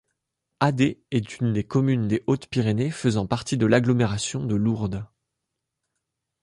Adé est une commune des Hautes-Pyrénées faisant partie de l'agglomération de Lourdes.